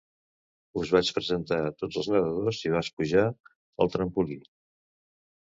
Us vaig presentar a tots els nedadors i vas pujar al trampolí.